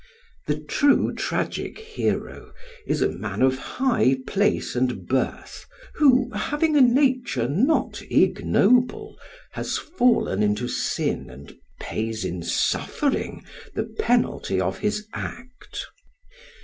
The true tragic hero is a man of high place and birth who having a nature not ignoble has fallen into sin and pays in suffering the penalty of his act.